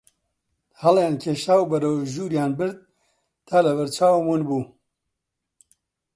هەڵیان کێشا و بەرەو ژووریان برد تا لە بەر چاوم ون بوو